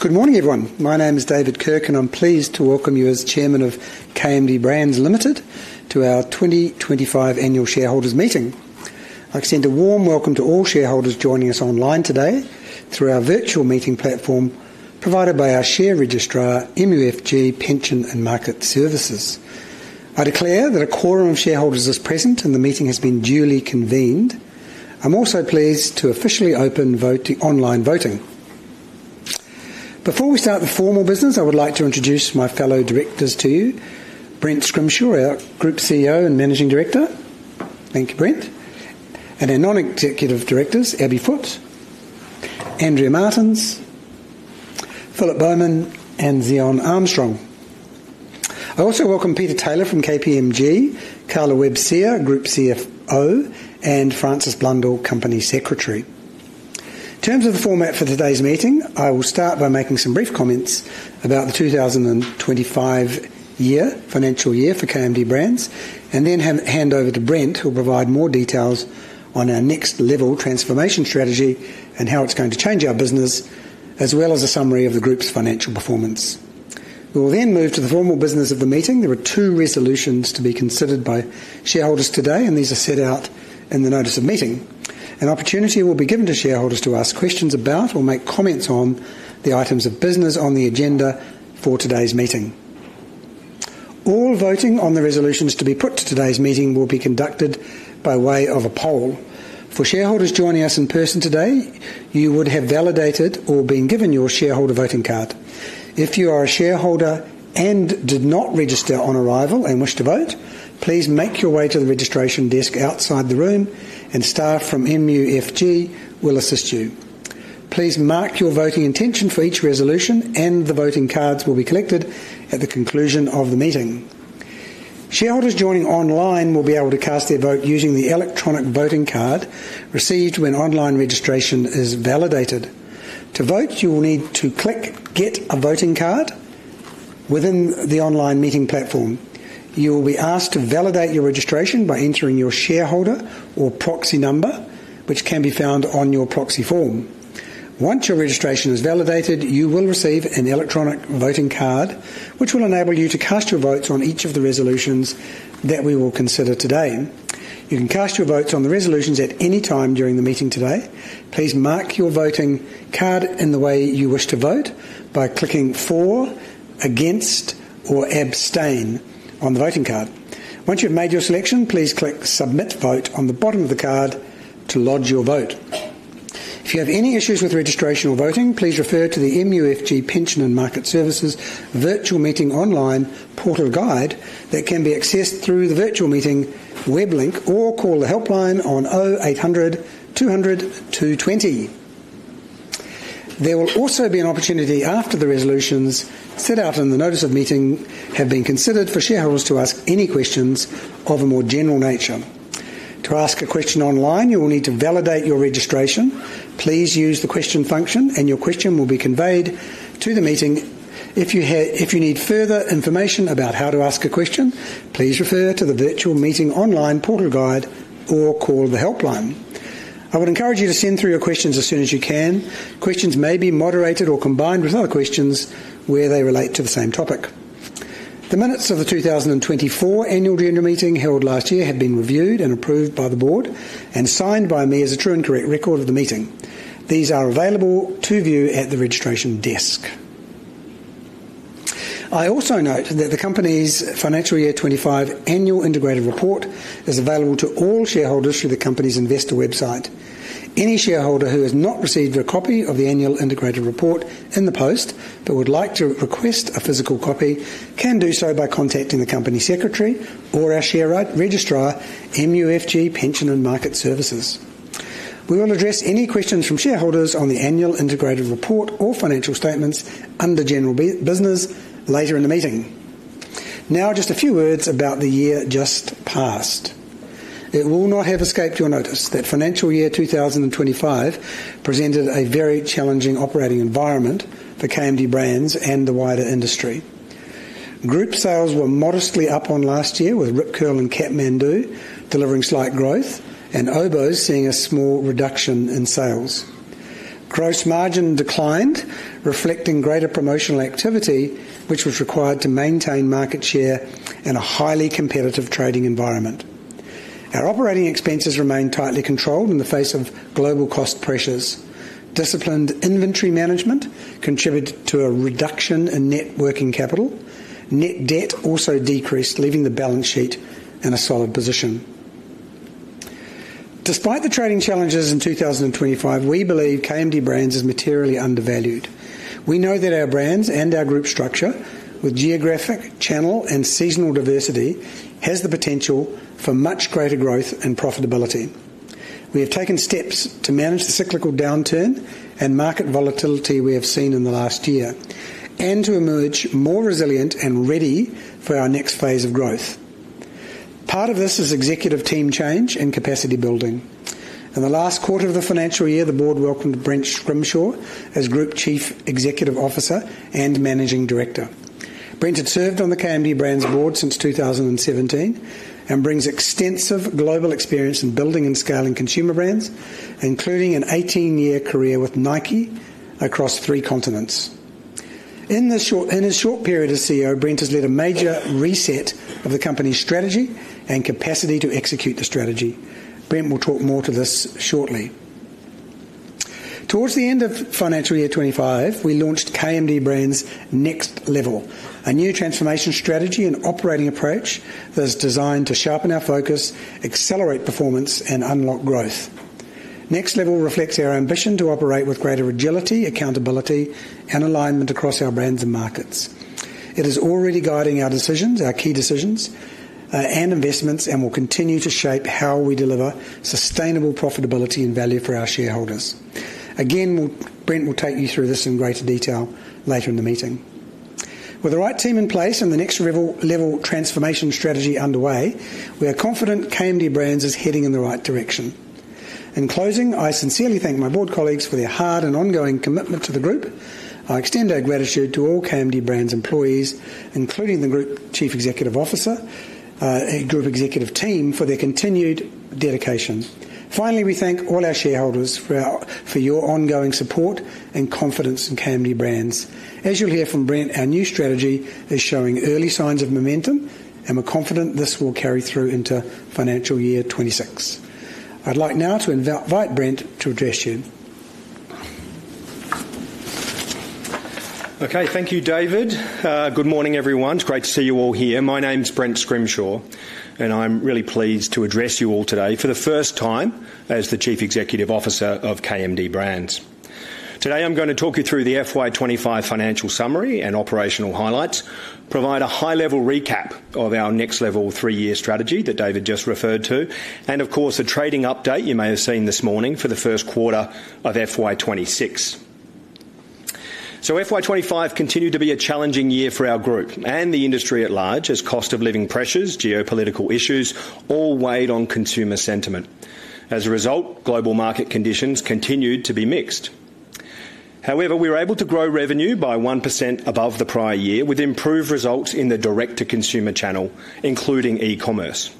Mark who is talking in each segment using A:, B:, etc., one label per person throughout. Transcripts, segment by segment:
A: Good morning, everyone. My name is David Kirk, and I'm pleased to welcome you as Chairman of KMD Brands Limited to our 2025 Annual Shareholders Meeting. I extend a warm welcome to all shareholders joining us online today through our virtual meeting platform provided by our Share Registrar, MUFG Pension & Market Services. I declare that a quorum of shareholders is present, and the meeting has been duly convened. I'm also pleased to officially open online voting. Before we start the formal business, I would like to introduce my fellow directors to you: Brent Scrimshaw, our Group CEO and Managing Director. Thank you, Brent. Our non-executive directors, Abby Foote, Andrea Martens, Philip Bowman, and Zion Armstrong. I also welcome Peter Taylor from KPMG, Carla Webb-Sear, Group CFO, and Frances Blundell, Company Secretary. In terms of the format for today's meeting, I will start by making some brief comments about the 2025 financial year for KMD Brands, and then hand over to Brent, who will provide more details on our Next-Level transformation strategy and how it's going to change our business, as well as a summary of the Group's financial performance. We will then move to the formal business of the meeting. There are two resolutions to be considered by shareholders today, and these are set out in the Notice of Meeting. An opportunity will be given to shareholders to ask questions about or make comments on the items of business on the agenda for today's meeting. All voting on the resolutions to be put to today's meeting will be conducted by way of a poll. For shareholders joining us in person today, you would have validated or been given your shareholder voting card. If you are a shareholder and did not register on arrival and wish to vote, please make your way to the registration desk outside the room, and staff from MUFG will assist you. Please mark your voting intention for each resolution, and the voting cards will be collected at the conclusion of the meeting. Shareholders joining online will be able to cast their vote using the electronic voting card received when online registration is validated. To vote, you will need to click "Get a Voting Card" within the online meeting platform. You will be asked to validate your registration by entering your shareholder or proxy number, which can be found on your proxy form. Once your registration is validated, you will receive an electronic voting card, which will enable you to cast your votes on each of the resolutions that we will consider today. You can cast your votes on the resolutions at any time during the meeting today. Please mark your voting card in the way you wish to vote by clicking "For," "Against," or "Abstain" on the voting card. Once you've made your selection, please click "Submit Vote" on the bottom of the card to lodge your vote. If you have any issues with registration or voting, please refer to the MUFG Pension & Market Services Virtual Meeting Online Portal Guide that can be accessed through the virtual meeting web link or call the helpline on 0800 200 220. There will also be an opportunity after the resolutions set out in the Notice of Meeting have been considered for shareholders to ask any questions of a more general nature. To ask a question online, you will need to validate your registration. Please use the question function, and your question will be conveyed to the meeting. If you need further information about how to ask a question, please refer to the Virtual Meeting Online Portal Guide or call the helpline. I would encourage you to send through your questions as soon as you can. Questions may be moderated or combined with other questions where they relate to the same topic. The Minutes of the 2024 Annual General Meeting held last year have been reviewed and approved by the Board and signed by me as a true and correct record of the meeting. These are available to view at the registration desk. I also note that the Company's Financial Year 2025 Annual Integrated Report is available to all shareholders through the Company's investor website. Any shareholder who has not received a copy of the Annual Integrated Report in the post but would like to request a physical copy can do so by contacting the Company Secretary or our Share Registrar, MUFG Pension & Market Services. We will address any questions from shareholders on the Annual Integrated Report or financial statements under general business later in the meeting. Now, just a few words about the year just passed. It will not have escaped your notice that Financial Year 2025 presented a very challenging operating environment for KMD Brands and the wider industry. Group sales were modestly up on last year, with Rip Curl and Kathmandu delivering slight growth and Oboz seeing a small reduction in sales. Gross margin declined, reflecting greater promotional activity, which was required to maintain market share in a highly competitive trading environment. Our operating expenses remained tightly controlled in the face of global cost pressures. Disciplined inventory management contributed to a reduction in net working capital. Net debt also decreased, leaving the balance sheet in a solid position. Despite the trading challenges in 2025, we believe KMD Brands is materially undervalued. We know that our brands and our group structure, with geographic, channel, and seasonal diversity, has the potential for much greater growth and profitability. We have taken steps to manage the cyclical downturn and market volatility we have seen in the last year and to emerge more resilient and ready for our next phase of growth. Part of this is executive team change and capacity building. In the last quarter of the financial year, the Board welcomed Brent Scrimshaw as Group Chief Executive Officer and Managing Director. Brent had served on the KMD Brands Board since 2017 and brings extensive global experience in building and scaling consumer brands, including an 18-year career with Nike across three continents. In his short period as CEO, Brent has led a major reset of the Company's strategy and capacity to execute the strategy. Brent will talk more to this shortly. Towards the end of Financial Year 2025, we launched KMD Brands Next Level, a new transformation strategy and operating approach that is designed to sharpen our focus, accelerate performance, and unlock growth. Next Level reflects our ambition to operate with greater agility, accountability, and alignment across our brands and markets. It is already guiding our key decisions and investments, and will continue to shape how we deliver sustainable profitability and value for our shareholders. Again, Brent will take you through this in greater detail later in the meeting. With the right team in place and the Next Level Transformation Strategy underway, we are confident KMD Brands is heading in the right direction. In closing, I sincerely thank my board colleagues for their hard and ongoing commitment to the Group. I extend our gratitude to all KMD Brands employees, including the Group Chief Executive Officer and Group Executive Team, for their continued dedication. Finally, we thank all our shareholders for your ongoing support and confidence in KMD Brands. As you'll hear from Brent, our new strategy is showing early signs of momentum, and we're confident this will carry through into Financial Year 2026. I'd like now to invite Brent to address you.
B: Okay, thank you, David. Good morning, everyone. It's great to see you all here. My name's Brent Scrimshaw, and I'm really pleased to address you all today for the first time as the Chief Executive Officer of KMD Brands. Today, I'm going to talk you through the FY25 financial summary and operational highlights, provide a high-level recap of our next-level three-year strategy that David just referred to, and, of course, a trading update you may have seen this morning for the first quarter of FY26. FY25 continued to be a challenging year for our Group and the industry at large as cost of living pressures, geopolitical issues all weighed on consumer sentiment. As a result, global market conditions continued to be mixed. However, we were able to grow revenue by 1% above the prior year with improved results in the direct-to-consumer channel, including e-commerce.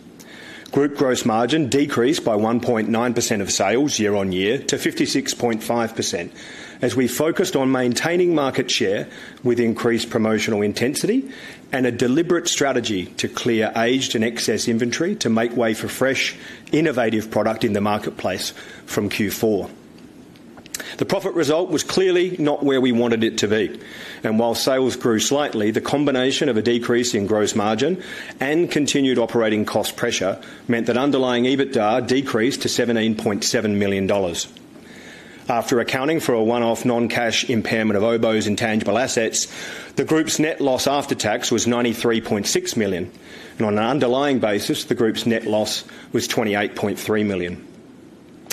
B: Group gross margin decreased by 1.9% of sales year-on-year to 56.5% as we focused on maintaining market share with increased promotional intensity and a deliberate strategy to clear aged and excess inventory to make way for fresh, innovative product in the marketplace from Q4. The profit result was clearly not where we wanted it to be, and while sales grew slightly, the combination of a decrease in gross margin and continued operating cost pressure meant that underlying EBITDA decreased to $17.7 million. After accounting for a one-off non-cash impairment of Oboz intangible assets, the Group's net loss after tax was $93.6 million, and on an underlying basis, the Group's net loss was $28.3 million.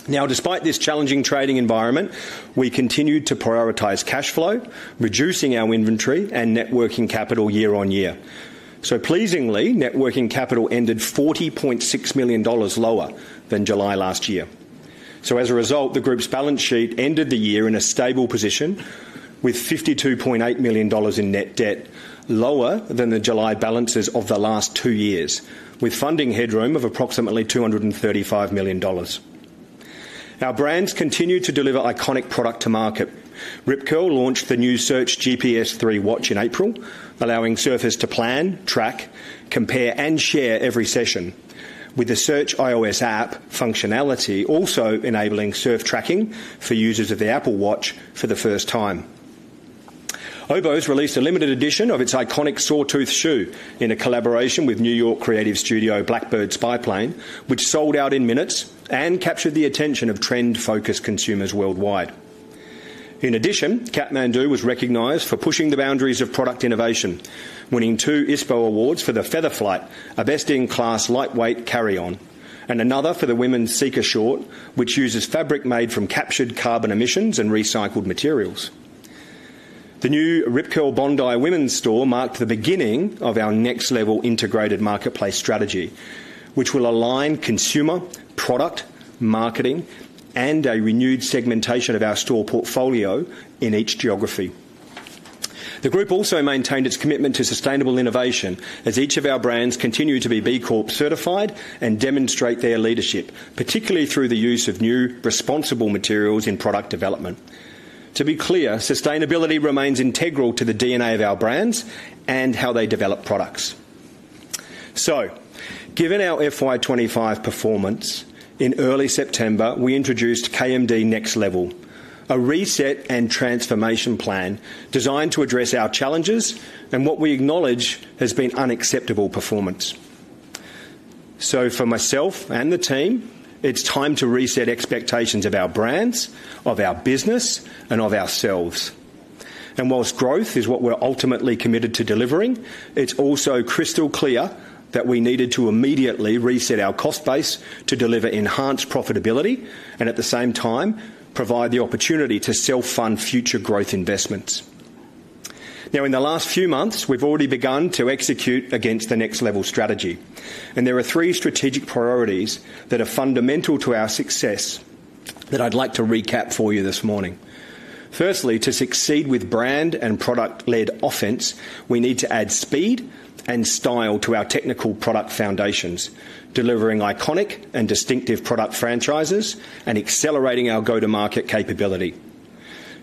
B: Now, despite this challenging trading environment, we continued to prioritize cash flow, reducing our inventory and net working capital year-on-year. Pleasingly, net working capital ended $40.6 million lower than July last year. As a result, the Group's balance sheet ended the year in a stable position with 52.8 million dollars in net debt, lower than the July balances of the last two years, with funding headroom of approximately 235 million dollars. Our brands continue to deliver iconic product to market. Rip Curl launched the new Search GPS 3 Watch in April, allowing surfers to plan, track, compare, and share every session, with the Search iOS App functionality also enabling surf tracking for users of the Apple Watch for the first time. Oboz released a limited edition of its iconic Sawtooth Shoe in a collaboration with New York creative studio Blackbird Spy Plane, which sold out in minutes and captured the attention of trend-focused consumers worldwide. In addition, Kathmandu was recognized for pushing the boundaries of product innovation, winning two ISPO Awards for the Feather Flight, a best-in-class lightweight carry-on, and another for the women's Seeker Short, which uses fabric made from captured carbon emissions and recycled materials. The new Rip Curl Bondi women's store marked the beginning of our next-level integrated marketplace strategy, which will align consumer product marketing and a renewed segmentation of our store portfolio in each geography. The Group also maintained its commitment to sustainable innovation as each of our brands continue to be B Corp certified and demonstrate their leadership, particularly through the use of new responsible materials in product development. To be clear, sustainability remains integral to the DNA of our brands and how they develop products. Given our FY25 performance, in early September, we introduced KMD Next Level, a reset and transformation plan designed to address our challenges and what we acknowledge has been unacceptable performance. For myself and the team, it is time to reset expectations of our brands, of our business, and of ourselves. Whilst growth is what we are ultimately committed to delivering, it is also crystal clear that we needed to immediately reset our cost base to deliver enhanced profitability and at the same time provide the opportunity to self-fund future growth investments. In the last few months, we have already begun to execute against the Next-Level Strategy, and there are three strategic priorities that are fundamental to our success that I would like to recap for you this morning. Firstly, to succeed with brand and product-led offense, we need to add speed and style to our technical product foundations, delivering iconic and distinctive product franchises and accelerating our go-to-market capability.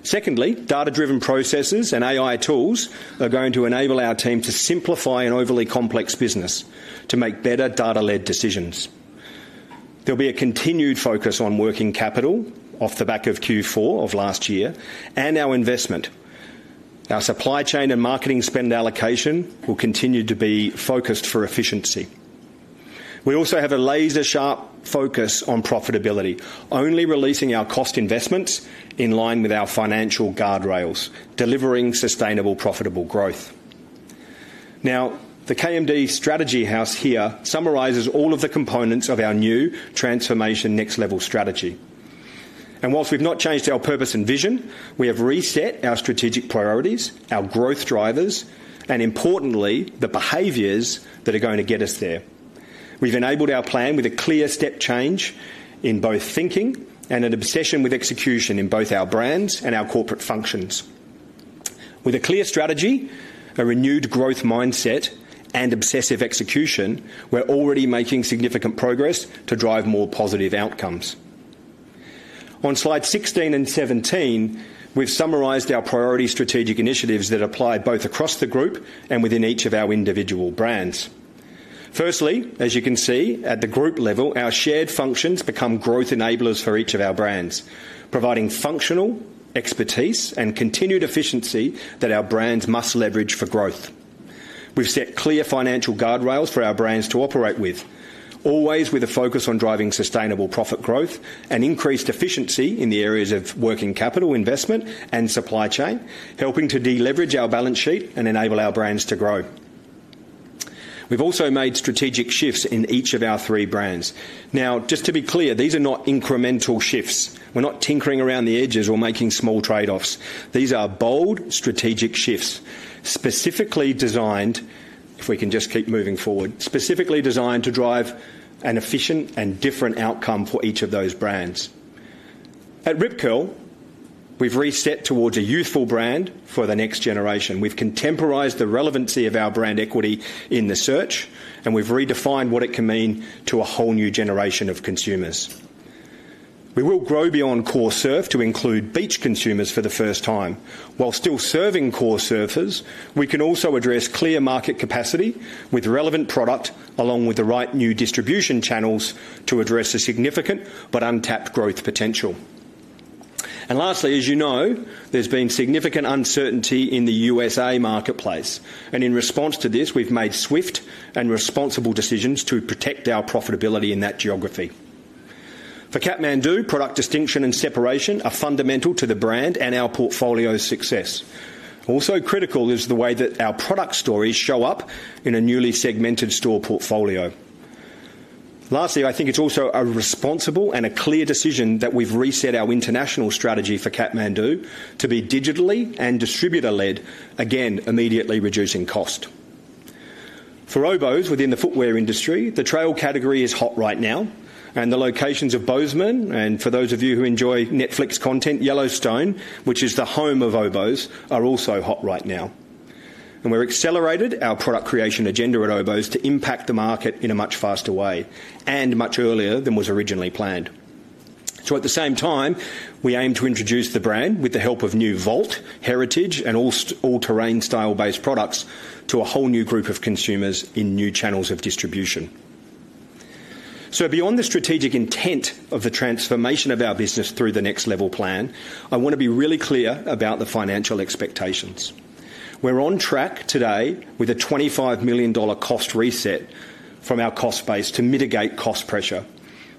B: Secondly, data-driven processes and AI tools are going to enable our team to simplify an overly complex business to make better data-led decisions. There'll be a continued focus on working capital off the back of Q4 of last year and our investment. Our supply chain and marketing spend allocation will continue to be focused for efficiency. We also have a laser-sharp focus on profitability, only releasing our cost investments in line with our financial guardrails, delivering sustainable profitable growth. Now, the KMD strategy house here summarizes all of the components of our new transformation Next-Level Strategy. Whilst we've not changed our purpose and vision, we have reset our strategic priorities, our growth drivers, and importantly, the behaviors that are going to get us there. We've enabled our plan with a clear step change in both thinking and an obsession with execution in both our brands and our corporate functions. With a clear strategy, a renewed growth mindset, and obsessive execution, we're already making significant progress to drive more positive outcomes. On slides 16 and 17, we've summarized our priority strategic initiatives that apply both across the Group and within each of our individual brands. Firstly, as you can see at the Group level, our shared functions become growth enablers for each of our brands, providing functional expertise and continued efficiency that our brands must leverage for growth. We've set clear financial guardrails for our brands to operate with, always with a focus on driving sustainable profit growth and increased efficiency in the areas of working capital investment and supply chain, helping to deleverage our balance sheet and enable our brands to grow. We've also made strategic shifts in each of our three brands. Now, just to be clear, these are not incremental shifts. We're not tinkering around the edges or making small trade-offs. These are bold strategic shifts specifically designed, if we can just keep moving forward, specifically designed to drive an efficient and different outcome for each of those brands. At Rip Curl, we've reset towards a youthful brand for the next generation. We've contemporized the relevancy of our brand equity in the search, and we've redefined what it can mean to a whole new generation of consumers. We will grow beyond core surf to include beach consumers for the first time. While still serving core surfers, we can also address clear market capacity with relevant product along with the right new distribution channels to address the significant but untapped growth potential. Lastly, as you know, there's been significant uncertainty in the USA marketplace, and in response to this, we've made swift and responsible decisions to protect our profitability in that geography. For Kathmandu, product distinction and separation are fundamental to the brand and our portfolio's success. Also critical is the way that our product stories show up in a newly segmented store portfolio. Lastly, I think it's also a responsible and a clear decision that we've reset our international strategy for Kathmandu to be digitally and distributor-led, again, immediately reducing cost. For Oboz within the footwear industry, the trail category is hot right now, and the locations of Bozeman and for those of you who enjoy Netflix content, Yellowstone, which is the home of Oboz, are also hot right now. We have accelerated our product creation agenda at Oboz to impact the market in a much faster way and much earlier than was originally planned. At the same time, we aim to introduce the brand with the help of new vault, heritage, and all-terrain style-based products to a whole new group of consumers in new channels of distribution. Beyond the strategic intent of the transformation of our business through the Next-Level plan, I want to be really clear about the financial expectations. We're on track today with a $25 million cost reset from our cost base to mitigate cost pressure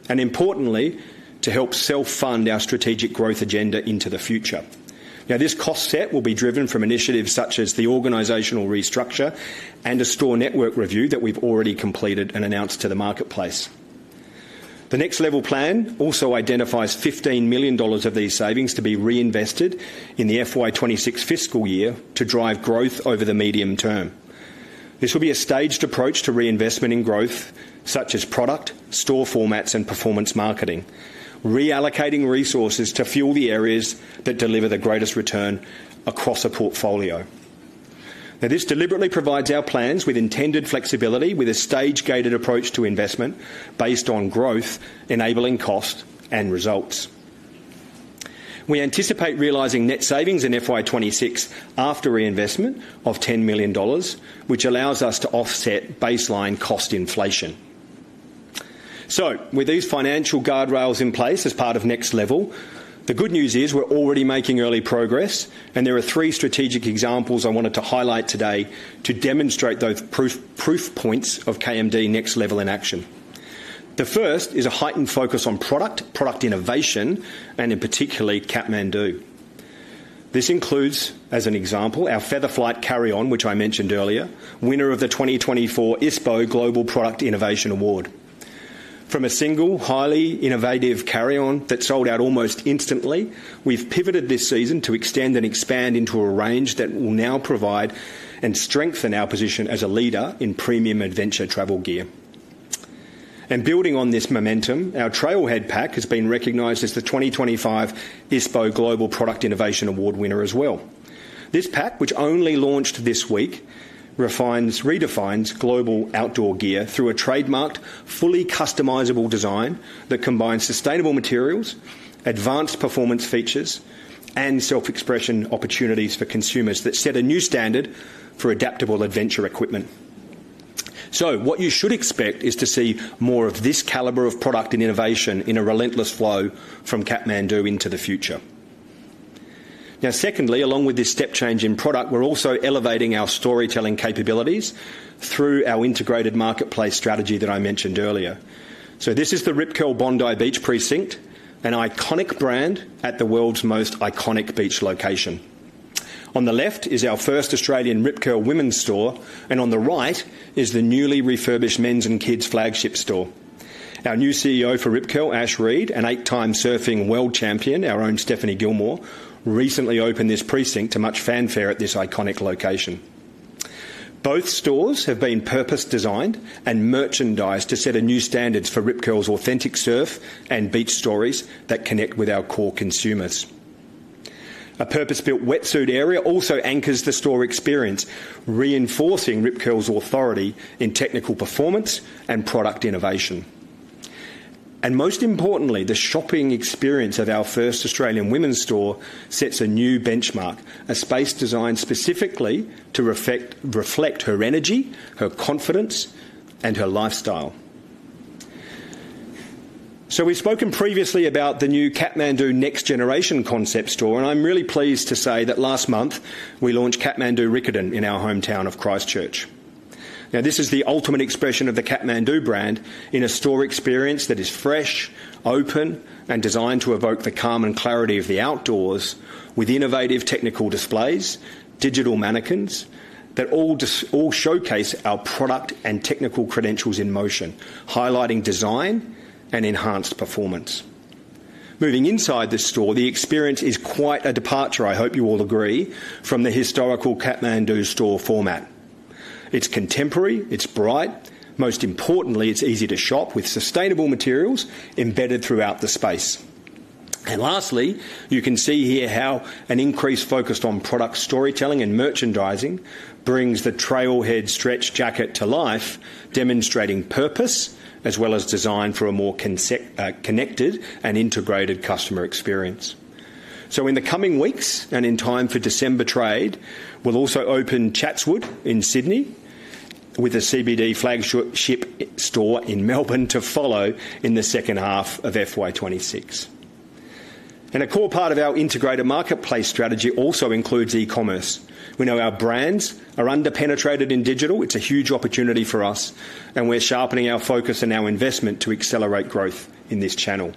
B: and, importantly, to help self-fund our strategic growth agenda into the future. Now, this cost reset will be driven from initiatives such as the organizational restructure and a store network review that we've already completed and announced to the marketplace. The Next-Level Plan also identifies $15 million of these savings to be reinvested in the FY26 fiscal year to drive growth over the medium term. This will be a staged approach to reinvestment in growth such as product, store formats, and performance marketing, reallocating resources to fuel the areas that deliver the greatest return across a portfolio. Now, this deliberately provides our plans with intended flexibility with a stage-gated approach to investment based on growth, enabling cost and results. We anticipate realizing net savings in FY26 after reinvestment of $10 million, which allows us to offset baseline cost inflation. With these financial guardrails in place as part of next level, the good news is we're already making early progress, and there are three strategic examples I wanted to highlight today to demonstrate those proof points of KMD next level in action. The first is a heightened focus on product, product innovation, and in particular Kathmandu. This includes, as an example, our Feather Flight carry-on, which I mentioned earlier, winner of the 2024 ISPO Global Product Innovation Award. From a single, highly innovative carry-on that sold out almost instantly, we've pivoted this season to extend and expand into a range that will now provide and strengthen our position as a leader in premium adventure travel gear. Building on this momentum, our Trailhead Pack has been recognized as the 2025 ISPO Global Product Innovation Award winner as well. This pack, which only launched this week, redefines global outdoor gear through a trademarked, fully customizable design that combines sustainable materials, advanced performance features, and self-expression opportunities for consumers that set a new standard for adaptable adventure equipment. What you should expect is to see more of this caliber of product and innovation in a relentless flow from Kathmandu into the future. Secondly, along with this step change in product, we're also elevating our storytelling capabilities through our integrated marketplace strategy that I mentioned earlier. This is the Rip Curl Bondi Beach precinct, an iconic brand at the world's most iconic beach location. On the left is our first Australian Rip Curl women's store, and on the right is the newly refurbished men's and kids flagship store. Our new CEO for Rip Curl, Ash Reid, and eight-time surfing world champion, our own Stephanie Gilmore, recently opened this precinct to much fanfare at this iconic location. Both stores have been purpose-designed and merchandised to set a new standard for Rip Curl's authentic surf and beach stories that connect with our core consumers. A purpose-built wetsuit area also anchors the store experience, reinforcing Rip Curl's authority in technical performance and product innovation. Most importantly, the shopping experience of our first Australian women's store sets a new benchmark, a space designed specifically to reflect her energy, her confidence, and her lifestyle. We have spoken previously about the new Kathmandu next-generation concept store, and I'm really pleased to say that last month we launched Kathmandu Riccarton in our hometown of Christchurch. Now, this is the ultimate expression of the Kathmandu brand in a store experience that is fresh, open, and designed to evoke the calm and clarity of the outdoors with innovative technical displays, digital mannequins that all showcase our product and technical credentials in motion, highlighting design and enhanced performance. Moving inside the store, the experience is quite a departure, I hope you all agree, from the historical Kathmandu store format. It's contemporary, it's bright, most importantly, it's easy to shop with sustainable materials embedded throughout the space. Lastly, you can see here how an increase focused on product storytelling and merchandising brings the Trailhead Stretch Jacket to life, demonstrating purpose as well as design for a more connected and integrated customer experience. In the coming weeks and in time for December trade, we'll also open Chatswood in Sydney with a CBD flagship store in Melbourne to follow in the second half of FY2026. A core part of our integrated marketplace strategy also includes e-commerce. We know our brands are underpenetrated in digital. It's a huge opportunity for us, and we're sharpening our focus and our investment to accelerate growth in this channel.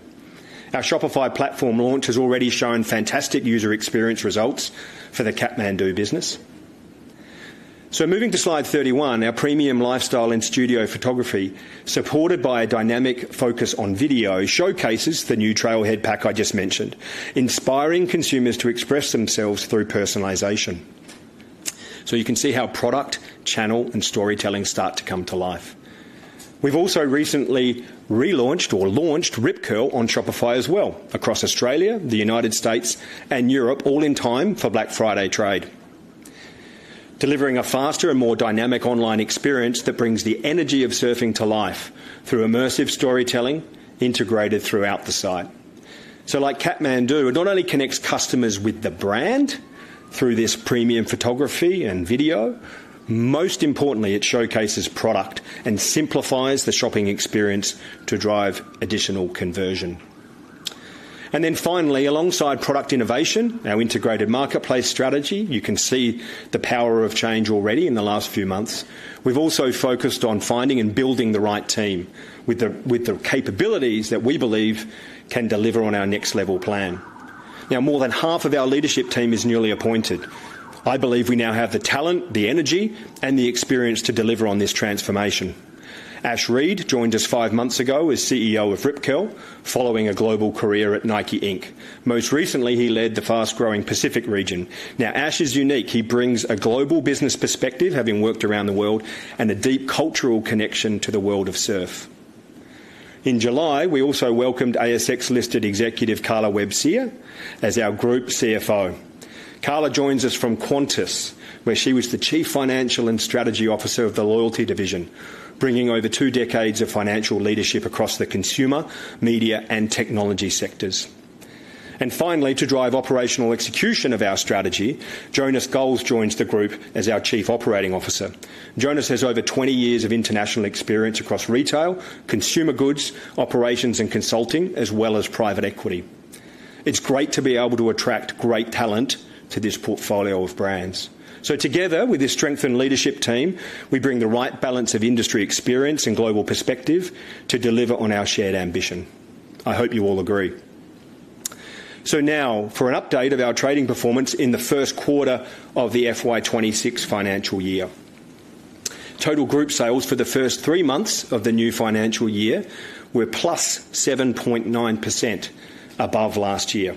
B: Our Shopify platform launch has already shown fantastic user experience results for the Kathmandu business. Moving to slide 31, our premium lifestyle and studio photography supported by a dynamic focus on video showcases the new Trailhead Pack I just mentioned, inspiring consumers to express themselves through personalization. You can see how product, channel, and storytelling start to come to life. We've also recently relaunched or launched Rip Curl on Shopify as well across Australia, the United States, and Europe, all in time for Black Friday Trade, delivering a faster and more dynamic online experience that brings the energy of surfing to life through immersive storytelling integrated throughout the site. Like Kathmandu, it not only connects customers with the brand through this premium photography and video, most importantly, it showcases product and simplifies the shopping experience to drive additional conversion. Finally, alongside product innovation, our integrated marketplace strategy, you can see the power of change already in the last few months. We have also focused on finding and building the right team with the capabilities that we believe can deliver on our Next-Level Plan. Now, more than half of our leadership team is newly appointed. I believe we now have the talent, the energy, and the experience to deliver on this transformation. Ash Reid joined us five months ago as CEO of Rip Curl following a global career at Nike. Most recently, he led the fast-growing Pacific Region. Ash is unique. He brings a global business perspective, having worked around the world, and a deep cultural connection to the world of surf. In July, we also welcomed ASX-listed executive Carla Webb-Seager as our Group CFO. Carla joins us from Qantas, where she was the Chief Financial and Strategy Officer of the Loyalty Division, bringing over two decades of financial leadership across the consumer, media, and technology sectors. Finally, to drive operational execution of our strategy, Jonas Gowers joins the group as our Chief Operating Officer. Jonas has over 20 years of international experience across retail, consumer goods, operations, and consulting, as well as private equity. It is great to be able to attract great talent to this portfolio of brands. Together, with this strengthened leadership team, we bring the right balance of industry experience and global perspective to deliver on our shared ambition. I hope you all agree. Now, for an update of our trading performance in the first quarter of the FY26 financial year, total group sales for the first three months of the new financial year were +7.9% above last year.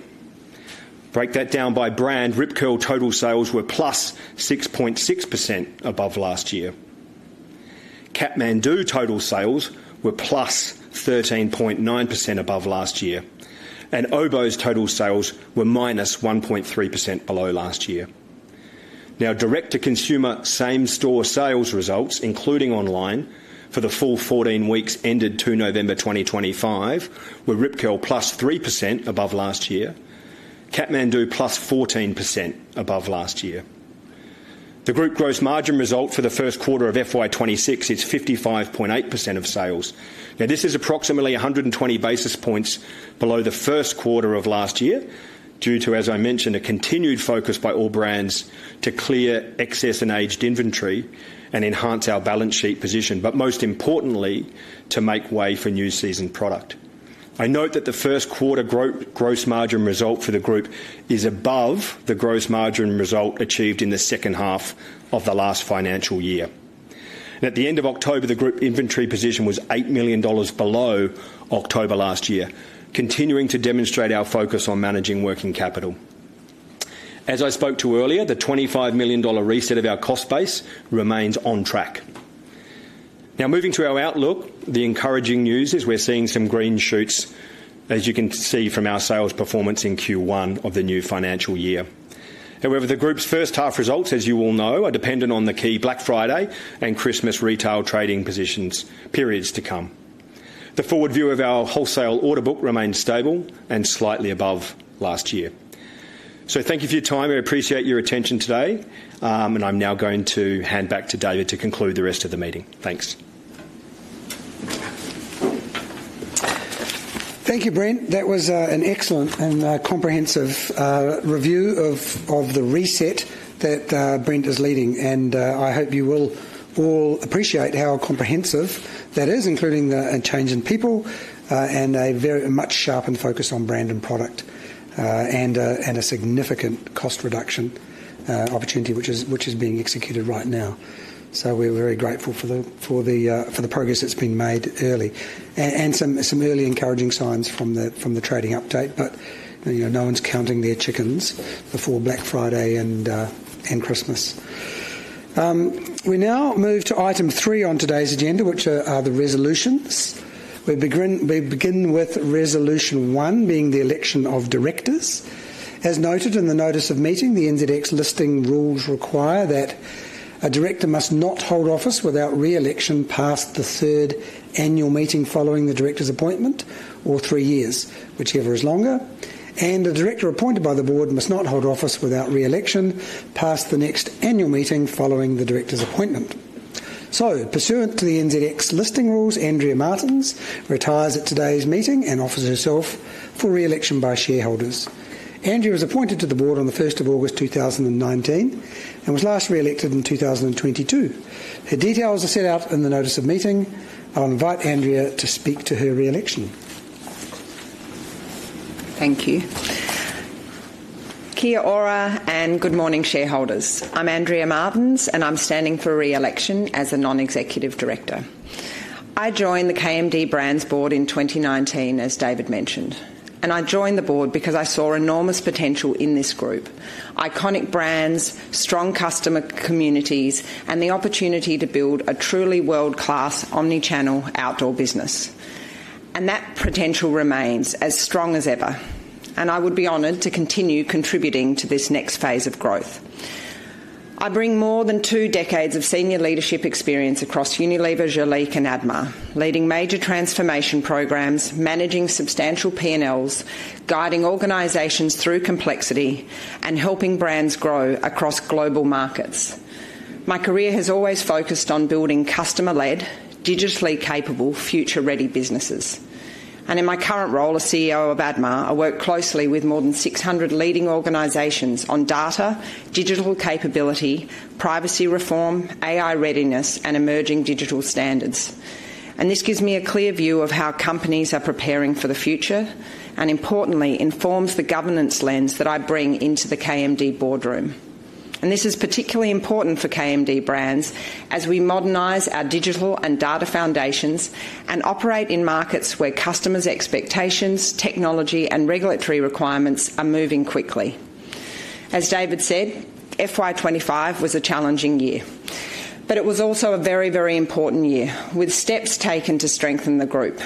B: Break that down by brand. Rip Curl total sales were +6.6% above last year. Kathmandu total sales were +13.9% above last year, and Oboz total sales were -1.3% below last year. Now, Direct-to-Consumer Same-Store Sales results, including online, for the full 14 weeks ended 2 November 2025, were Rip Curl +3% above last year. Kathmandu +14% above last year. The group gross margin result for the first quarter of FY26 is 55.8% of sales. Now, this is approximately 120 basis points below the first quarter of last year due to, as I mentioned, a continued focus by all brands to clear excess and aged inventory and enhance our balance sheet position, but most importantly, to make way for new season product. I note that the first quarter gross margin result for the group is above the gross margin result achieved in the second half of the last financial year. At the end of October, the group inventory position was 8 million dollars below October last year, continuing to demonstrate our focus on managing working capital. As I spoke to earlier, the 25 million dollar reset of our cost base remains on track. Now, moving to our outlook, the encouraging news is we're seeing some green shoots, as you can see from our sales performance in Q1 of the new financial year. However, the group's first half results, as you all know, are dependent on the key Black Friday and Christmas Retail Trading periods to come. The forward view of our wholesale order book remains stable and slightly above last year. Thank you for your time. I appreciate your attention today, and I'm now going to hand back to David to conclude the rest of the meeting. Thanks.
A: Thank you, Brent. That was an excellent and comprehensive review of the reset that Brent is leading, and I hope you will all appreciate how comprehensive that is, including the change in people and a very much sharpened focus on brand and product and a significant cost reduction opportunity which is being executed right now. We're very grateful for the progress that's been made early and some early encouraging signs from the trading update, but no one's counting their chickens before Black Friday and Christmas. We now move to item three on today's agenda, which are the resolutions. We begin with resolution one, being the election of directors. As noted in the Notice of Meeting, the NZX listing rules require that a director must not hold office without re-election past the third annual meeting following the director's appointment or three years, whichever is longer, and a director appointed by the board must not hold office without re-election past the next annual meeting following the director's appointment. Pursuant to the NZX listing rules, Andrea Martens retires at today's meeting and offers herself for re-election by shareholders. Andrea was appointed to the Board on the 1st of August 2019 and was last re-elected in 2022. Her details are set out in the Notice of Meeting. I'll invite Andrea to speak to her re-election.
C: Thank you. Kia ora, and good morning, shareholders. I'm Andrea Martens, and I'm standing for re-election as a non-executive director. I joined the KMD Brands board in 2019, as David mentioned, and I joined the board because I saw enormous potential in this group: iconic brands, strong customer communities, and the opportunity to build a truly world-class omni-channel outdoor business. That potential remains as strong as ever, and I would be honored to continue contributing to this next phase of growth. I bring more than two decades of senior leadership experience across Unilever, Giliq, and ADMA, leading major transformation programs, managing substantial P&Ls, guiding organizations through complexity, and helping brands grow across global markets. My career has always focused on building customer-led, digitally capable, future-ready businesses. In my current role as CEO of ADMA, I work closely with more than 600 leading organizations on data, digital capability, privacy reform, AI readiness, and emerging digital standards. This gives me a clear view of how companies are preparing for the future and, importantly, informs the governance lens that I bring into the KMD boardroom. This is particularly important for KMD Brands as we modernize our digital and data foundations and operate in markets where customers' expectations, technology, and regulatory requirements are moving quickly. As David said, FY2025 was a challenging year, but it was also a very, very important year with steps taken to strengthen the group.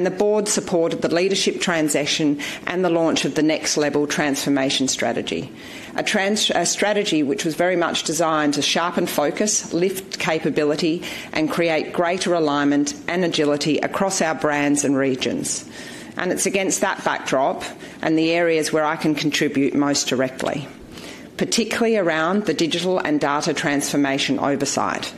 C: The board supported the leadership transition and the launch of the Next-Level Transformation Strategy, a strategy which was very much designed to sharpen focus, lift capability, and create greater alignment and agility across our brands and regions. It is against that backdrop and the areas where I can contribute most directly, particularly around the digital and data transformation oversight,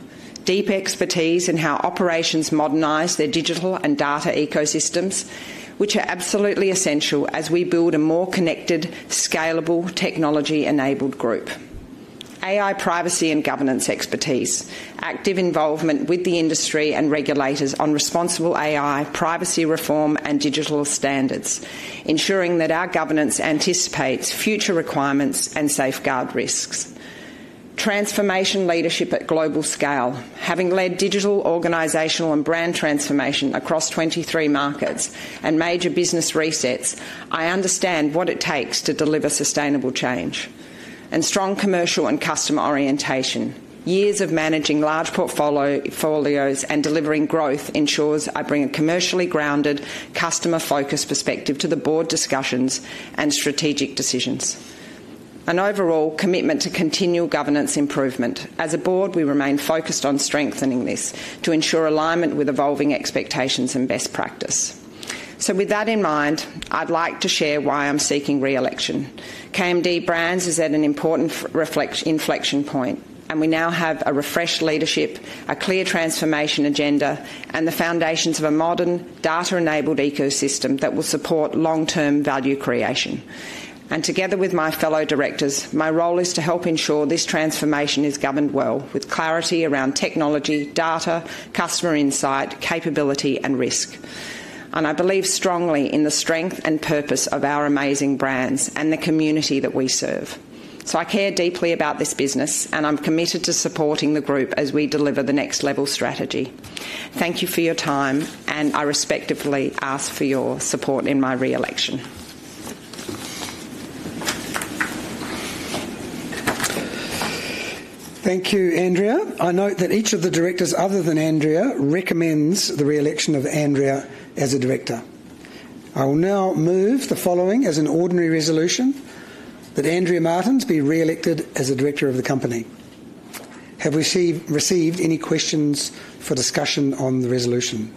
C: deep expertise in how operations modernize their digital and data ecosystems, which are absolutely essential as we build a more connected, scalable, technology–enabled group. AI privacy and governance expertise, active involvement with the industry and regulators on responsible AI, privacy reform, and digital standards, ensuring that our governance anticipates future requirements and safeguard risks. Transformation leadership at global scale. Having led digital, organizational, and brand transformation across 23 markets and major business resets, I understand what it takes to deliver sustainable change. Strong commercial and customer orientation. Years of managing large portfolios and delivering growth ensures I bring a commercially grounded, customer-focused perspective to the board discussions and strategic decisions. An overall commitment to continual governance improvement. As a board, we remain focused on strengthening this to ensure alignment with evolving expectations and best practice. With that in mind, I'd like to share why I'm seeking re-election. KMD Brands is at an important inflection point, and we now have a refreshed leadership, a clear transformation agenda, and the foundations of a modern, data-enabled ecosystem that will support long-term value creation. Together with my fellow directors, my role is to help ensure this transformation is governed well with clarity around technology, data, customer insight, capability, and risk. I believe strongly in the strength and purpose of our amazing brands and the community that we serve. I care deeply about this business, and I'm committed to supporting the group as we deliver the Next-Level Strategy. Thank you for your time, and I respectfully ask for your support in my re-election.
A: Thank you, Andrea. I note that each of the directors other than Andrea recommends the re-election of Andrea Martens as a director. I will now move the following as an ordinary resolution: that Andrea Martens be re-elected as a director of the company. Have we received any questions for discussion on the resolution?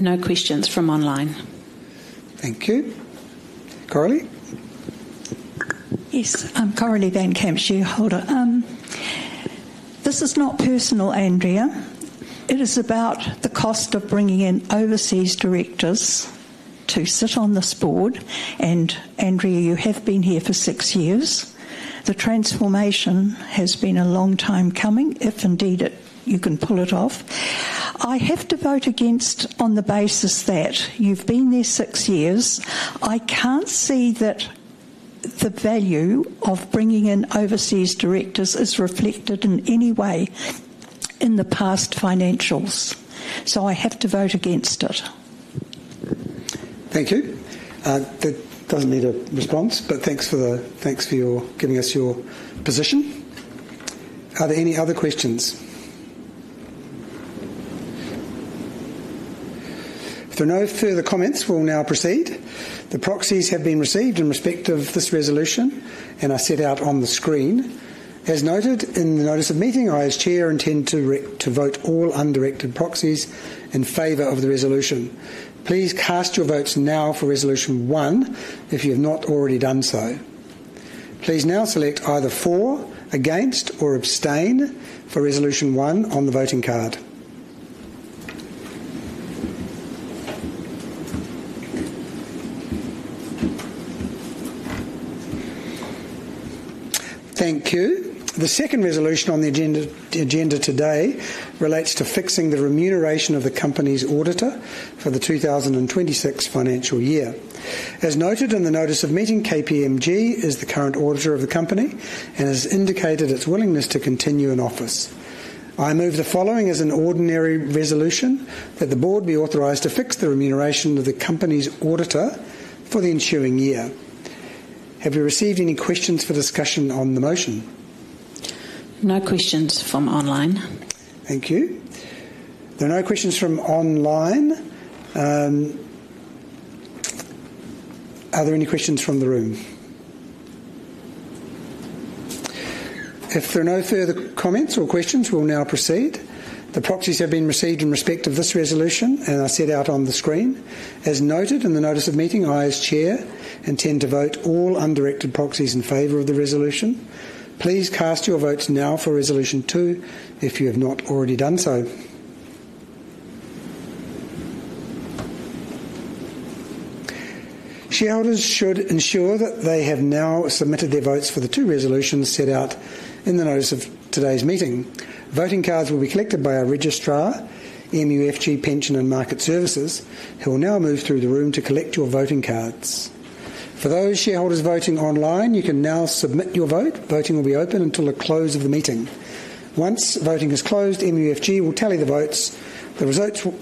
D: No questions from online.
A: Thank you. Coralie?
E: Yes. Coralie van Kempen here. Hold on. This is not personal, Andrea. It is about the cost of bringing in overseas directors to sit on this board. Andrea, you have been here for six years. The transformation has been a long time coming, if indeed you can pull it off. I have to vote against on the basis that you have been there six years. I cannot see that the value of bringing in overseas directors is reflected in any way in the past financials. I have to vote against it.
A: Thank you. That doesn't need a response, but thanks for your giving us your position. Are there any other questions? If there are no further comments, we'll now proceed. The proxies have been received in respect of this resolution, and are set out on the screen. As noted in the Notice of Meeting, I as Chair intend to vote all undirected proxies in favor of the resolution. Please cast your votes now for resolution one if you have not already done so. Please now select either for, against, or abstain for resolution one on the voting card. Thank you. The second resolution on the agenda today relates to fixing the remuneration of the company's auditor for the 2026 financial year. As noted in the Notice of Meeting, KPMG is the current auditor of the company and has indicated its willingness to continue in office. I move the following as an ordinary resolution: that the board be authorized to fix the remuneration of the company's auditor for the ensuing year. Have you received any questions for discussion on the motion?
D: No questions from online.
A: Thank you. There are no questions from online. Are there any questions from the room? If there are no further comments or questions, we'll now proceed. The proxies have been received in respect of this resolution, and are set out on the screen. As noted in the Notice of Meeting, I as Chair intend to vote all undirected proxies in favor of the resolution. Please cast your votes now for resolution two if you have not already done so. Shareholders should ensure that they have now submitted their votes for the two resolutions set out in the notice of today's meeting. Voting cards will be collected by our registrar, MUFG Pension & Market Services, who will now move through the room to collect your voting cards. For those shareholders voting online, you can now submit your vote. Voting will be open until the close of the meeting. Once voting is closed, MUFG will tally the votes. The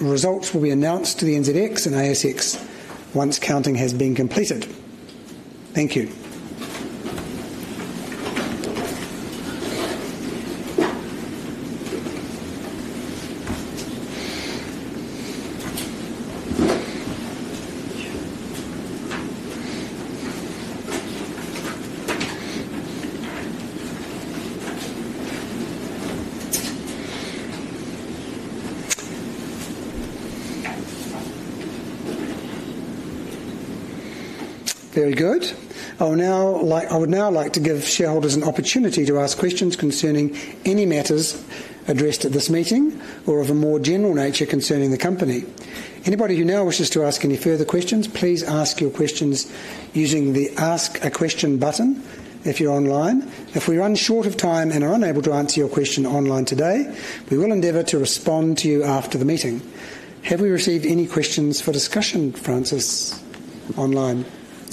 A: results will be announced to the NZX and ASX once counting has been completed. Thank you. Very good. I would now like to give shareholders an opportunity to ask questions concerning any matters addressed at this meeting or of a more general nature concerning the company. Anybody who now wishes to ask any further questions, please ask your questions using the Ask a Question button if you're online. If we run short of time and are unable to answer your question online today, we will endeavor to respond to you after the meeting. Have we received any questions for discussion, Frances, online?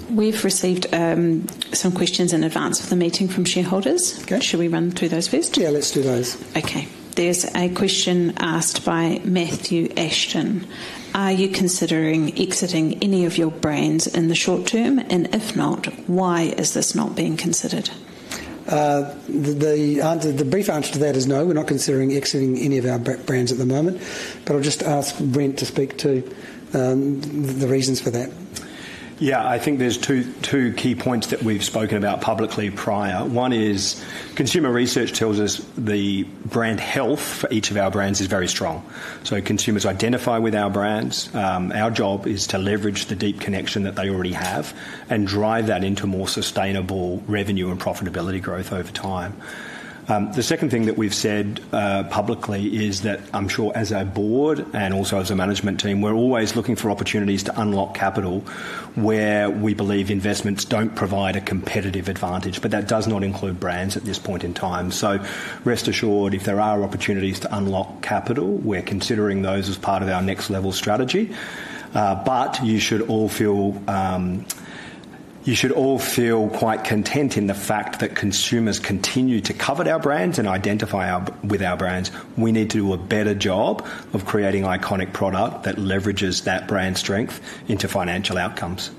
D: We've received some questions in advance of the meeting from shareholders. Shall we run through those first?
A: Yeah, let's do those.
D: Okay. There is a question asked by Matthew Ashton. Are you considering exiting any of your brands in the short term? If not, why is this not being considered? The brief answer to that is no. We're not considering exiting any of our brands at the moment, but I'll just ask Brent to speak to the reasons for that.
B: Yeah, I think there's two key points that we've spoken about publicly prior. One is consumer research tells us the brand health for each of our brands is very strong. So consumers identify with our brands. Our job is to leverage the deep connection that they already have and drive that into more sustainable revenue and profitability growth over time. The second thing that we've said publicly is that I'm sure as a board and also as a management team, we're always looking for opportunities to unlock capital where we believe investments don't provide a competitive advantage, but that does not include brands at this point in time. Rest assured, if there are opportunities to unlock capital, we're considering those as part of our Next-Level Strategy. You should all feel quite content in the fact that consumers continue to covet our brands and identify with our brands. We need to do a better job of creating iconic product that leverages that brand strength into financial outcomes.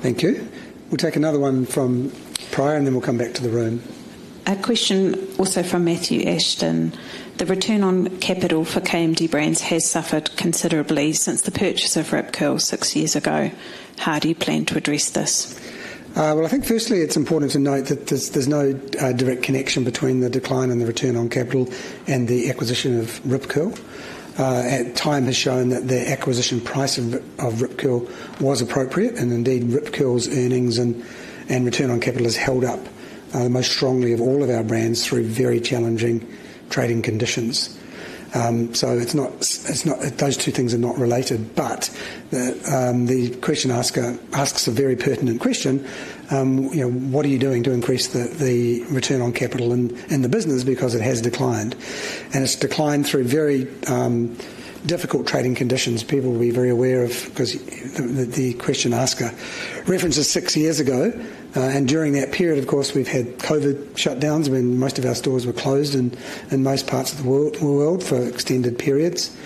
A: Thank you. We'll take another one from prior, and then we'll come back to the room.
D: A question also from Matthew Ashton. The return on capital for KMD Brands has suffered considerably since the purchase of Rip Curl six years ago. How do you plan to address this?
B: I think firstly, it's important to note that there's no direct connection between the decline in the return on capital and the acquisition of Rip Curl. Time has shown that the acquisition price of Rip Curl was appropriate, and indeed, Rip Curl's earnings and return on capital has held up the most strongly of all of our brands through very challenging trading conditions. Those two things are not related. The question asker asks a very pertinent question. What are you doing to increase the return on capital in the business because it has declined? It's declined through very difficult trading conditions. People will be very aware of this because the question asker references six years ago. During that period, of course, we've had COVID shutdowns when most of our stores were closed in most parts of the world for extended periods.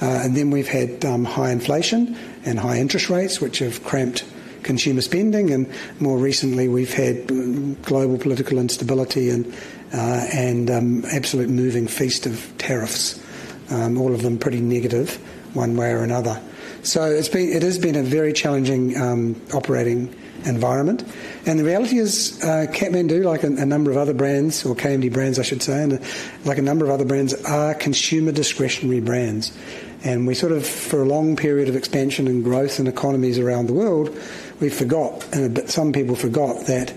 B: We have had high inflation and high interest rates, which have cramped consumer spending. More recently, we have had global political instability and an absolute moving feast of tariffs, all of them pretty negative one way or another. It has been a very challenging operating environment. The reality is, KMD Brands, like a number of other brands, are consumer discretionary brands. For a long period of expansion and growth in economies around the world, we forgot, and some people forgot, that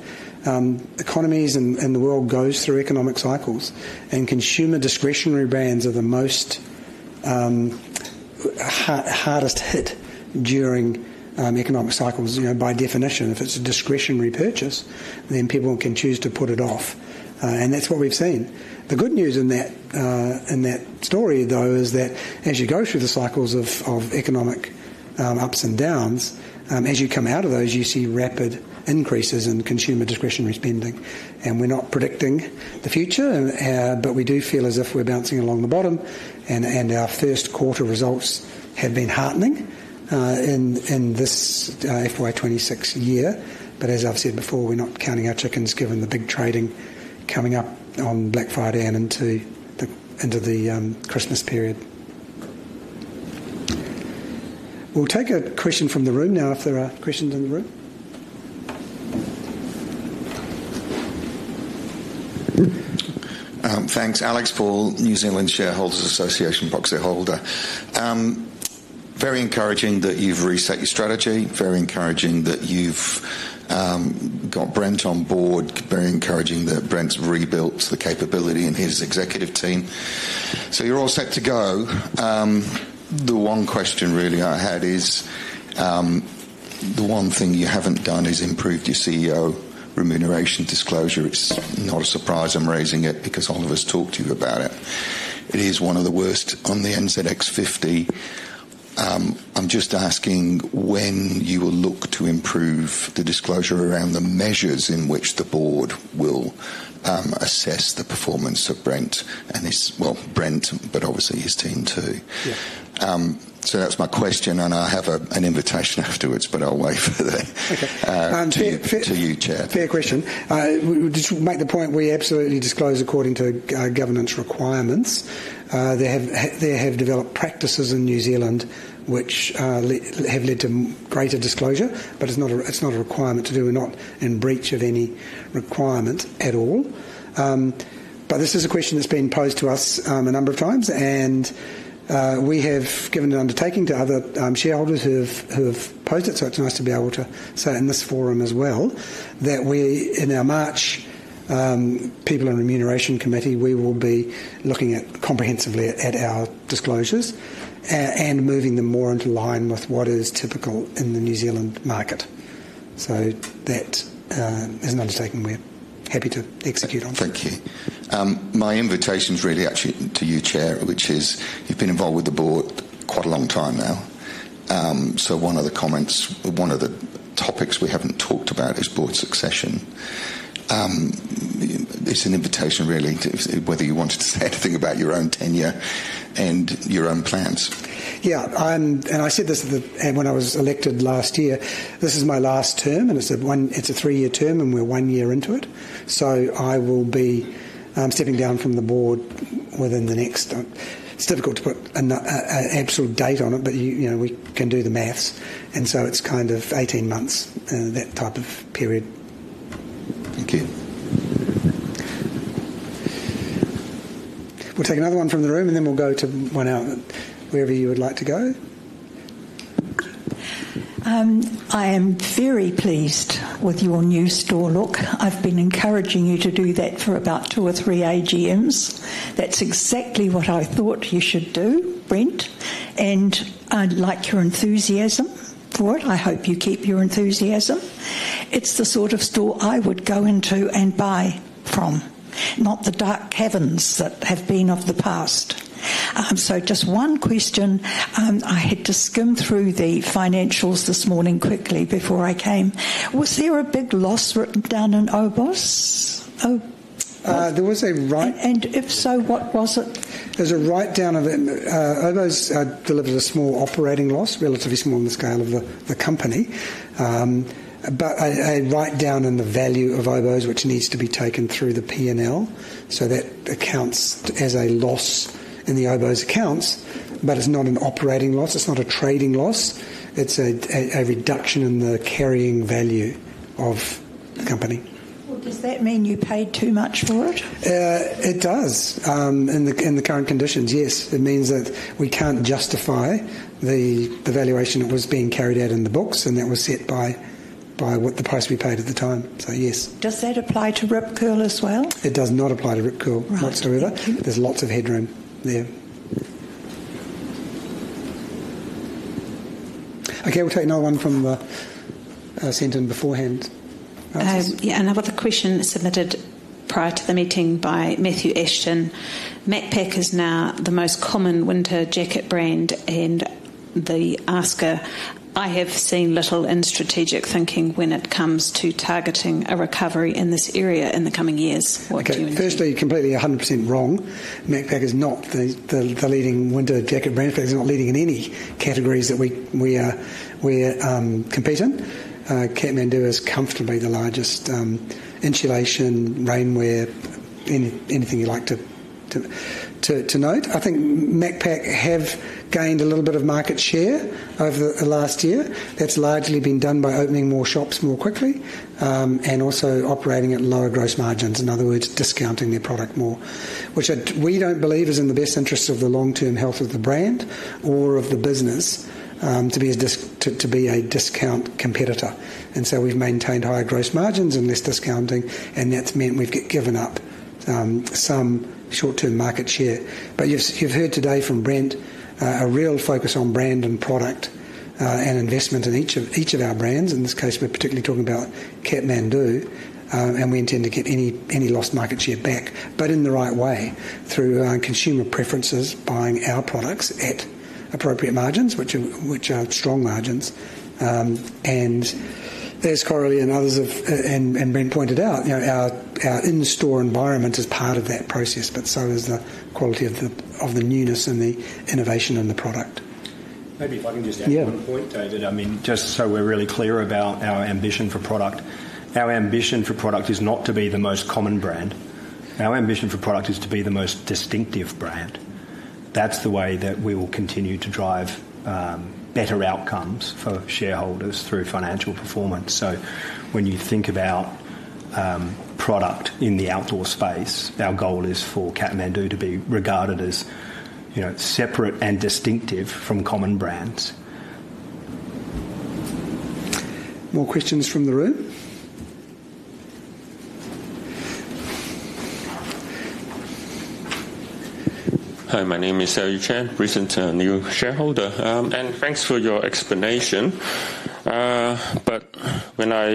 B: economies and the world go through economic cycles. Consumer discretionary brands are the most hardest hit during economic cycles by definition. If it is a discretionary purchase, then people can choose to put it off. That is what we have seen. The good news in that story, though, is that as you go through the cycles of economic ups and downs, as you come out of those, you see rapid increases in consumer discretionary spending. We are not predicting the future, but we do feel as if we are bouncing along the bottom, and our first quarter results have been heartening in this FY2026 year. As I have said before, we are not counting our chickens given the big trading coming up on Black Friday and into the Christmas period. We will take a question from the room now if there are questions in the room.
F: Thanks. Alex Paul, New Zealand Shareholders Association, proxy holder. Very encouraging that you've reset your strategy. Very encouraging that you've got Brent on board. Very encouraging that Brent's rebuilt the capability in his executive team. So you're all set to go. The one question really I had is the one thing you haven't done is improved your CEO remuneration disclosure. It's not a surprise I'm raising it because all of us talked to you about it. It is one of the worst on the NZX50. I'm just asking when you will look to improve the disclosure around the measures in which the board will assess the performance of Brent and, well, Brent, but obviously his team too. That's my question, and I have an invitation afterwards, but I'll wait for that.
B: To you, Chair. Fair question. Just make the point we absolutely disclose according to governance requirements. There have developed practices in New Zealand which have led to greater disclosure, but it is not a requirement to do. We are not in breach of any requirement at all. This is a question that has been posed to us a number of times, and we have given an undertaking to other shareholders who have posed it. It is nice to be able to say in this forum as well that we, in our March People and Remuneration Committee, we will be looking comprehensively at our disclosures and moving them more into line with what is typical in the New Zealand market. That is an undertaking we are happy to execute on.
F: Thank you. My invitation's really actually to you, Chair, which is you've been involved with the board quite a long time now. One of the comments, one of the topics we haven't talked about is board succession. It's an invitation really to whether you wanted to say anything about your own tenure and your own plans.
A: Yeah. I said this when I was elected last year. This is my last term, and it is a three-year term, and we are one year into it. I will be stepping down from the board within the next, it is difficult to put an absolute date on it, but we can do the maths. It is kind of 18 months, that type of period.
F: Thank you.
A: We'll take another one from the room, and then we'll go to one out wherever you would like to go.
D: I am very pleased with your new store look. I've been encouraging you to do that for about two or three AGMs. That's exactly what I thought you should do, Brent. I like your enthusiasm for it. I hope you keep your enthusiasm. It's the sort of store I would go into and buy from, not the dark heavens that have been of the past. Just one question. I had to skim through the financials this morning quickly before I came. Was there a big loss written down in Oboz?
B: There was a write.
D: If so, what was it?
B: There's a write-down of Oboz delivers a small operating loss, relatively small on the scale of the company, but a write-down in the value of Oboz, which needs to be taken through the P&L. That accounts as a loss in the Oboz accounts, but it's not an operating loss. It's not a trading loss. It's a reduction in the carrying value of the company.
D: Does that mean you paid too much for it?
B: It does. In the current conditions, yes. It means that we can't justify the valuation that was being carried out in the books, and that was set by the price we paid at the time. Yes.
D: Does that apply to Rip Curl as well?
B: It does not apply to Rip Curl whatsoever. There's lots of headroom there. Okay, we'll take another one from the sent in beforehand.
D: Yeah, another question submitted prior to the meeting by Matthew Ashton. Macpac is now the most common winter jacket brand, and the asker, I have seen little in strategic thinking when it comes to targeting a recovery in this area in the coming years. What do you mean?
A: Okay. Firstly, completely 100% wrong. Macpac is not the leading winter jacket brand. In fact, it's not leading in any categories that we are competing. KMD is comfortably the largest insulation, rainwear, anything you like to note. I think Macpac have gained a little bit of market share over the last year. That's largely been done by opening more shops more quickly and also operating at lower gross margins. In other words, discounting their product more, which we don't believe is in the best interest of the long-term health of the brand or of the business to be a discount competitor. We have maintained higher gross margins and less discounting, and that's meant we've given up some short-term market share. You have heard today from Brent a real focus on brand and product and investment in each of our brands. In this case, we're particularly talking about KMD, and we intend to get any lost market share back, but in the right way through consumer preferences, buying our products at appropriate margins, which are strong margins. As Coralie and others and Brent pointed out, our in-store environment is part of that process, but so is the quality of the newness and the innovation in the product.
B: Maybe if I can just add one point, David. I mean, just so we're really clear about our ambition for product, our ambition for product is not to be the most common brand. Our ambition for product is to be the most distinctive brand. That's the way that we will continue to drive better outcomes for shareholders through financial performance. When you think about product in the outdoor space, our goal is for KMD to be regarded as separate and distinctive from common brands.
A: More questions from the room?
G: Hi, my name is Richard, recent new shareholder, and thanks for your explanation. When I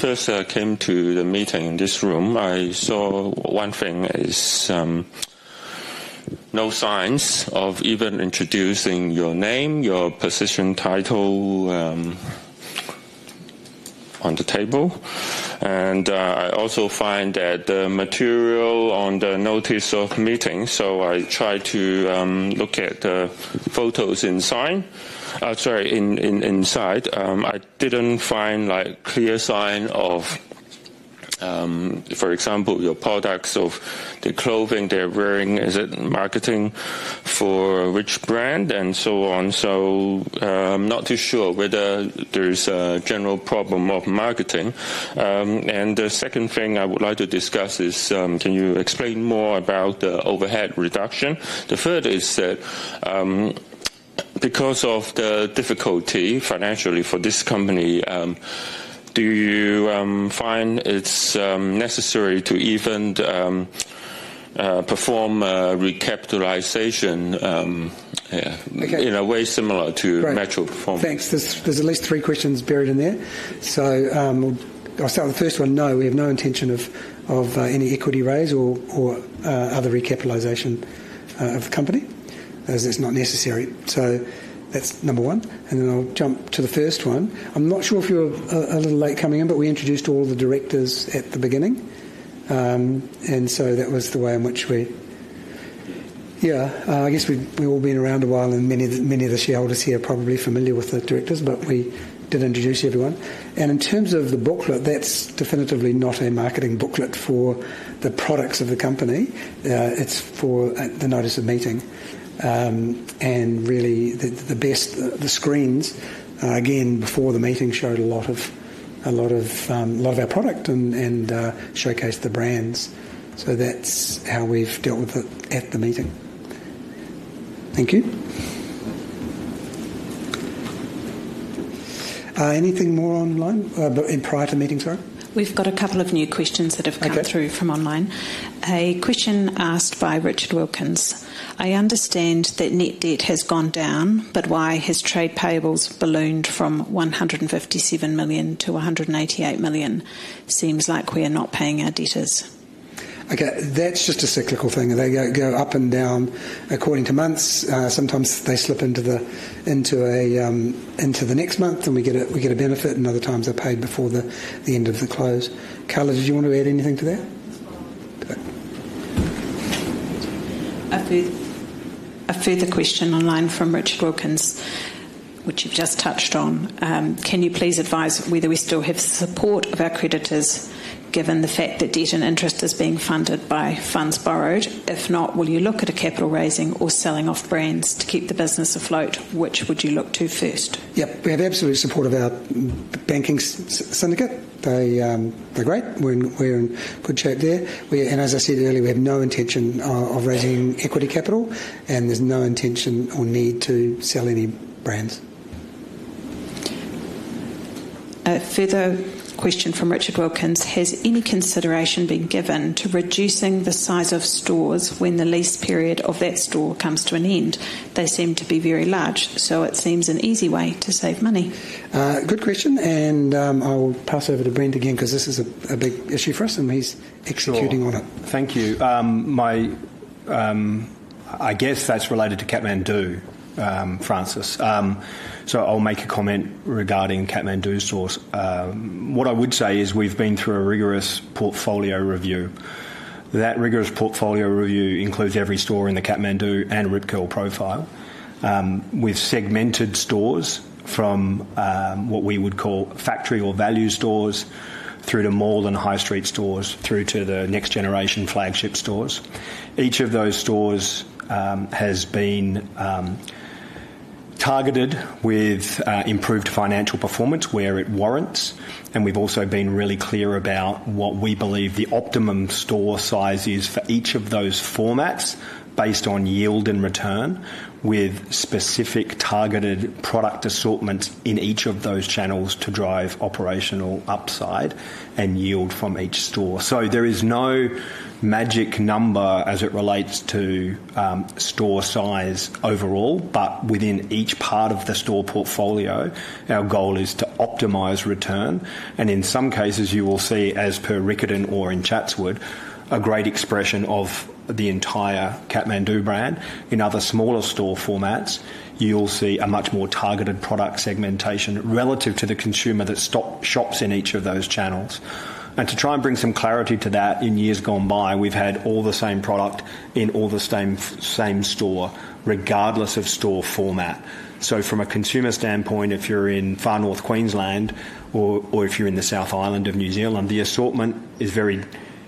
G: first came to the meeting in this room, I saw one thing is no signs of even introducing your name, your position, title on the table. I also find that the material on the Notice of Meeting, so I tried to look at the photos inside. I did not find a clear sign of, for example, your products of the clothing they are wearing. Is it marketing for which brand? I am not too sure whether there is a general problem of marketing. The second thing I would like to discuss is, can you explain more about the overhead reduction? The third is that because of the difficulty financially for this company, do you find it is necessary to even perform recapitalization in a way similar to natural performance?
A: Thanks. There's at least three questions buried in there. I'll start with the first one. No, we have no intention of any equity raise or other recapitalization of the company as it's not necessary. That's number one. I'll jump to the first one. I'm not sure if you're a little late coming in, but we introduced all the directors at the beginning. That was the way in which we, yeah, I guess we've all been around a while, and many of the shareholders here are probably familiar with the directors, but we did introduce everyone. In terms of the booklet, that's definitively not a marketing booklet for the products of the company. It's for the Notice of Meeting. The screens, again, before the meeting showed a lot of our product and showcased the brands. That's how we've dealt with it at the meeting. Thank you. Anything more online prior to meeting, sorry?
D: We've got a couple of new questions that have come through from online. A question asked by Richard Wilkins. I understand that net debt has gone down, but why has trade payables ballooned from 157 million to 188 million? Seems like we are not paying our debtors.
A: Okay. That's just a cyclical thing. They go up and down according to months. Sometimes they slip into the next month, and we get a benefit. Other times they're paid before the end of the close. Carla, did you want to add anything to that?
D: A further question online from Richard Wilkins, which you've just touched on. Can you please advise whether we still have support of our creditors, given the fact that debt and interest is being funded by funds borrowed? If not, will you look at a capital raising or selling off brands to keep the business afloat? Which would you look to first?
A: Yep. We have absolute support of our banking syndicate. They're great. We're in good shape there. As I said earlier, we have no intention of raising equity capital, and there's no intention or need to sell any brands.
D: A further question from Richard Wilkins. Has any consideration been given to reducing the size of stores when the lease period of that store comes to an end? They seem to be very large, so it seems an easy way to save money.
A: Good question. I will pass over to Brent again because this is a big issue for us, and he's executing on it.
B: Thank you. I guess that's related to KMD, Frances. So I'll make a comment regarding KMD stores. What I would say is we've been through a rigorous portfolio review. That rigorous portfolio review includes every store in the KMD and Rip Curl profile. We've segmented stores from what we would call factory or value stores through to mall and high street stores through to the next generation flagship stores. Each of those stores has been targeted with improved financial performance where it warrants. And we've also been really clear about what we believe the optimum store size is for each of those formats based on yield and return with specific targeted product assortments in each of those channels to drive operational upside and yield from each store. There is no magic number as it relates to store size overall, but within each part of the store portfolio, our goal is to optimize return. In some cases, you will see, as per Riccarton or in Chatswood, a great expression of the entire KMD brand. In other smaller store formats, you'll see a much more targeted product segmentation relative to the consumer that shops in each of those channels. To try and bring some clarity to that, in years gone by, we've had all the same product in all the same store, regardless of store format. From a consumer standpoint, if you're in Far North Queensland or if you're in the South Island of New Zealand, the assortment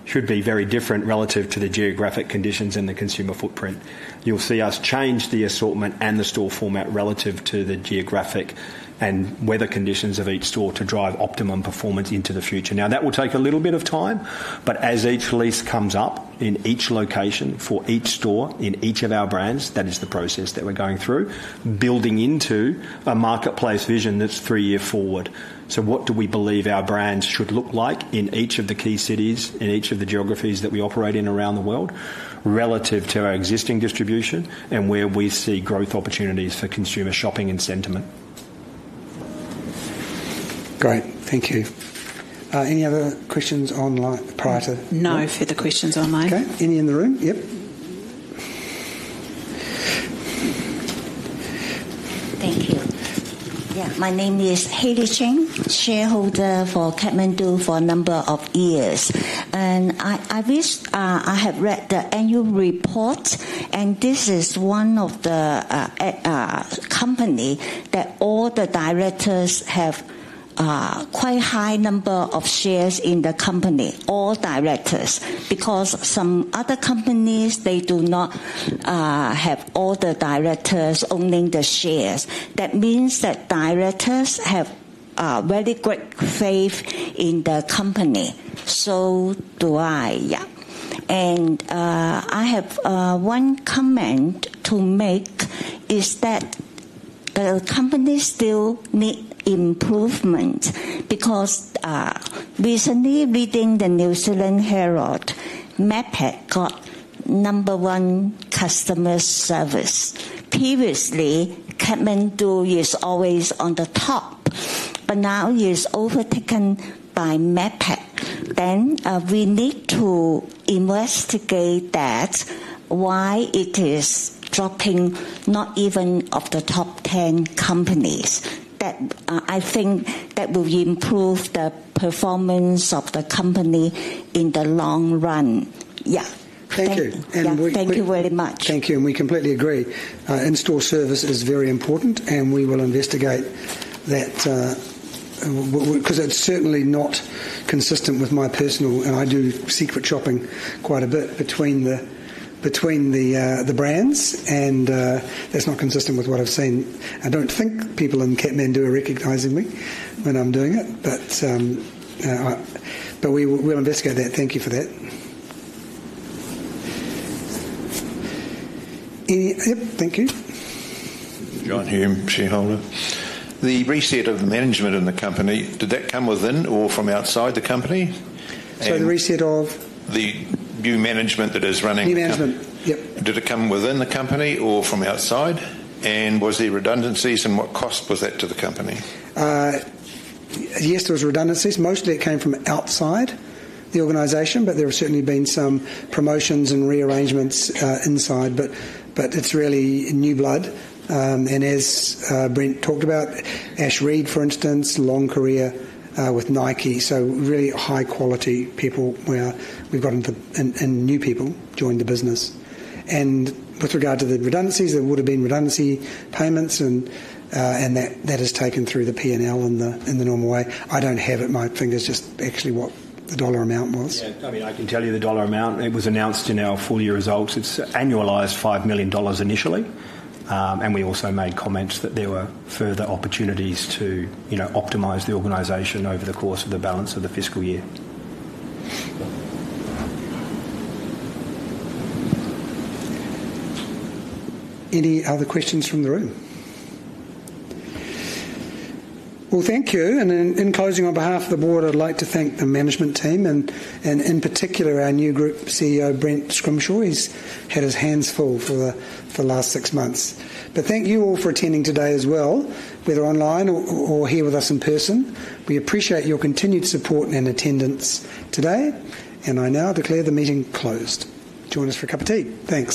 B: should be very different relative to the geographic conditions and the consumer footprint. You'll see us change the assortment and the store format relative to the geographic and weather conditions of each store to drive optimum performance into the future. That will take a little bit of time, but as each lease comes up in each location for each store in each of our brands, that is the process that we're going through, building into a marketplace vision that's three years forward. What do we believe our brands should look like in each of the key cities, in each of the geographies that we operate in around the world relative to our existing distribution and where we see growth opportunities for consumer shopping and sentiment?
A: Great. Thank you. Any other questions online prior to?
D: No further questions online.
A: Okay. Any in the room? Yep.
H: Thank you. Yeah, my name is Heidi Cheng, shareholder for KMD for a number of years. I wish I had read the annual report, and this is one of the companies that all the directors have quite a high number of shares in the company, all directors, because some other companies, they do not have all the directors owning the shares. That means that directors have very great faith in the company. So do I, yeah. I have one comment to make is that the company still needs improvement because recently, reading the New Zealand Herald, Macpac got number one customer service. Previously, KMD is always on the top, but now it is overtaken by Macpac. We need to investigate that, why it is dropping not even of the top 10 companies. I think that will improve the performance of the company in the long run. Yeah.
A: Thank you. We.
H: Thank you very much.
A: Thank you. We completely agree. In-store service is very important, and we will investigate that because it is certainly not consistent with my personal, and I do secret shopping quite a bit between the brands, and that is not consistent with what I have seen. I do not think people in KMD are recognizing me when I am doing it, but we will investigate that. Thank you for that. Yep. Thank you.
B: The reset of management in the company, did that come within or from outside the company?
A: The reset of?
F: The new management that is running.
A: New management. Yep.
F: Did it come within the company or from outside? Was there redundancies? What cost was that to the company?
A: Yes, there was redundancies. Mostly it came from outside the organization, but there have certainly been some promotions and rearrangements inside, but it's really new blood. As Brent talked about, Ash Reid, for instance, long career with Nike. Really high-quality people. We've gotten new people join the business. With regard to the redundancies, there would have been redundancy payments, and that has taken through the P&L in the normal way. I don't have it. My finger's just actually what the dollar amount was.
B: Yeah. I mean, I can tell you the dollar amount. It was announced in our full year results. It's annualized $5 million initially. We also made comments that there were further opportunities to optimize the organization over the course of the balance of the fiscal year.
A: Any other questions from the room? Thank you. In closing, on behalf of the board, I'd like to thank the management team and in particular our new Group CEO, Brent Scrimshaw. He's had his hands full for the last six months. Thank you all for attending today as well, whether online or here with us in person. We appreciate your continued support and attendance today. I now declare the meeting closed. Join us for a cup of tea. Thanks.